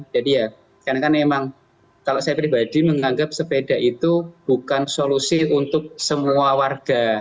jadi ya karena kan memang kalau saya pribadi menganggap sepeda itu bukan solusi untuk semua warga